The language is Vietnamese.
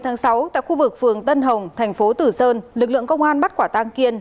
ngày một mươi sáu tại khu vực phường tân hồng tp tử sơn lực lượng công an bắt quả tang kiên